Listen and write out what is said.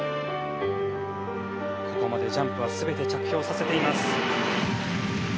ここまでジャンプは全て着氷させています。